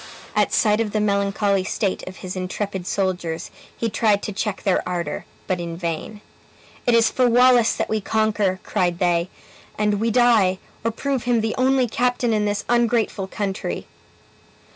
At sight of the melancholy state of his intrepid soldiers, he tried to check their ardor, but in vain. "It is for Wallace that we conquer!" cried they; "and we die, or prove him the only captain in this ungrateful country."